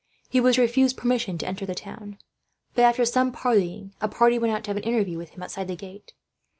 He was refused permission to enter the town but, after some parleying, a party went out to have an interview with him outside the gate.